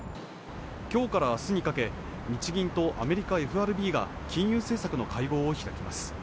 きょうからあすにかけ日銀とアメリカＦＲＢが金融政策の会合を開きます